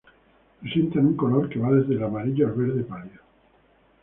Presentan un color que va desde el amarillo al verde pálido.